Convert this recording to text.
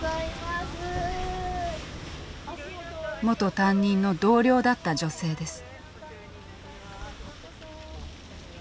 元担任の同僚だった女性です。